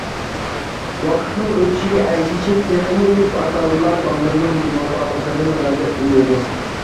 ۋاقىتنىڭ ئۆتۈشىگە ئەگىشىپ، تېخىمۇ كۆپ ئاتا-ئانىلار بالىلارنىڭ بىۋاپالىقىدىن غەزەپلىنىدۇ.